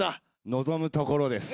望むところです。